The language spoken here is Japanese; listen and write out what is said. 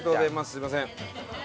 すいません。